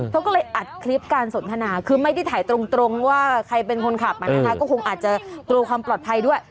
เขาก็เลยอัดคลิปการสนทนาคือไม่ได้ถ่ายตรงว่าใครเป็นคนขับนะคะก็คงอาจจะกลัวความปลอดภัยด้วย